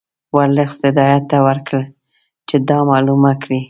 ورلسټ هدایت ورکړ چې دا معلومه کړي.